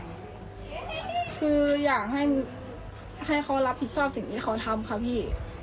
คืออยากให้เขารับผิดชอบสิ่งที่เขาทำค่ะพี่